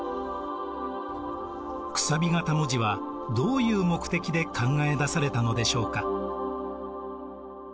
楔形文字はどういう目的で考え出されたのでしょうか？